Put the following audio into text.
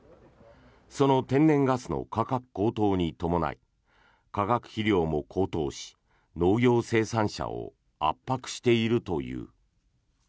その天然ガスの価格高騰に伴い化学肥料も高騰し農業生産者を圧迫しているという。